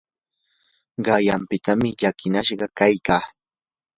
qanyanpitanam llakinashqa kaykaa.